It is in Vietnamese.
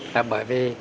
là bởi vì